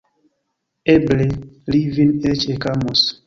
Eble, li vin eĉ ekamos.